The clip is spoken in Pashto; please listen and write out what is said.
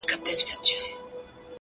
مخته چي دښمن راسي تېره نه وي!